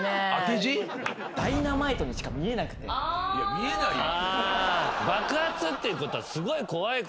いや見えないよ。